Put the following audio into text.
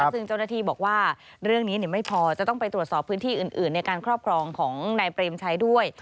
ซึ่งเจ้าหน้าที่บอกว่าเรื่องนี้ไม่พอจะต้องไปตรวจสอบพื้นที่อื่นในการครอบครองของนายเปรมชัยด้วย